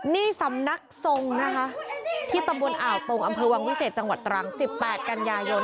นี่สำนักทรงนะคะที่ตำบลอ่าวตรงอำเภอวังวิเศษจังหวัดตรัง๑๘กันยายน